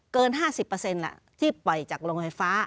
เกิน๕๐ที่ปล่อยจากโรงไฟฟ้า